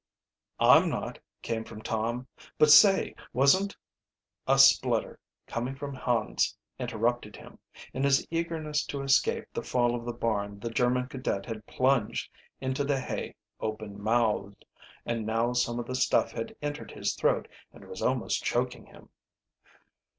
"I'm not," came from Tom. "But, say, wasn't " A splutter, coming from Hans, interrupted him. In his eagerness to escape the fall of the barn the German cadet had plunged into the hay open mouthed, and now some of the stuff had entered his throat and was almost choking him.